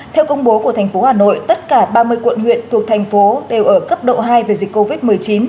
theo công bố của thành phố hà nội tất cả ba mươi quận huyện thuộc thành phố đều ở cấp độ hai về dịch covid một mươi chín